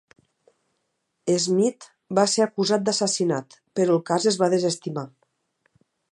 Smith va ser acusat d"assassinat però el cas es va desestimar.